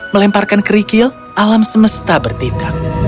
melemparkan kerikil alam semesta bertindak